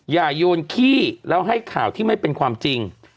โยนขี้แล้วให้ข่าวที่ไม่เป็นความจริง